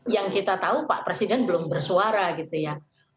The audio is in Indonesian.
yang kita tahu pak presiden belum bersuara gitu ya